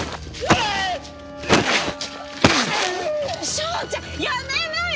翔ちゃんやめなよ！